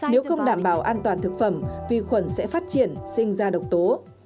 nếu không đảm bảo an toàn thực phẩm vi khuẩn sẽ phát triển sinh ra độc tố